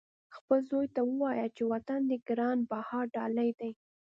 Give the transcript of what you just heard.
خپل زوی ته ووایه چې وطن دې ګران بها ډالۍ دی.